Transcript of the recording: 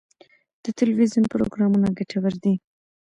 د تلویزیون پروګرامونه ګټور دي.